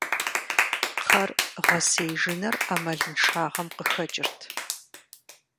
Кхъэр гъэсеижыныр Ӏэмалыншагъэм къыхэкӀырт.